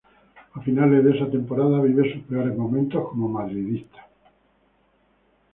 A finales de esa temporada vive sus peores momentos como madridista.